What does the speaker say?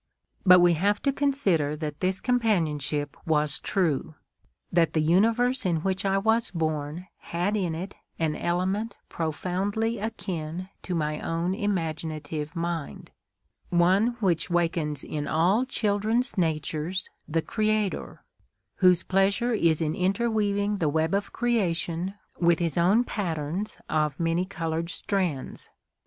But we have to consider that this companionship was true; that the universe in which I was born had in it an element profoundly akin to my own imaginative mind, one which wakens in all children's natures the Creator, whose pleasure is in interweaving the web of creation with His own patterns of many coloured strands.